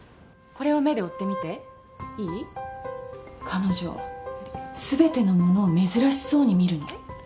これを目で追ってみていい彼女全てのものを珍しそうに見るの。